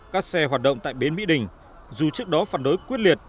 các xe hoạt động tại bến mỹ đình dù trước đó phản đối quyết liệt